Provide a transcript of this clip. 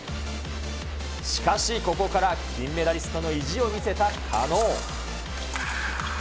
しかし、ここから金メダリストの意地を見せた加納。